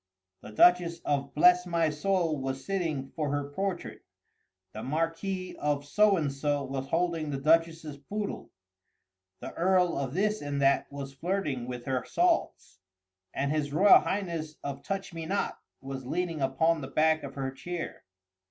The Duchess of Bless my Soul was sitting for her portrait; the Marquis of So and So was holding the Duchess' poodle; the Earl of This and That was flirting with her salts; and his Royal Highness of Touch me Not was leaning upon the back of her chair.